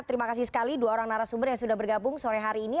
terima kasih sekali dua orang narasumber yang sudah bergabung sore hari ini